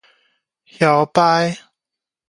囂俳